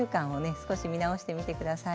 少し見直してみてください。